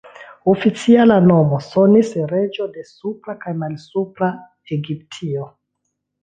Oficiala nomo sonis ""reĝo de Supra kaj Malsupra Egiptio"".